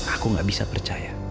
aku gak bisa percaya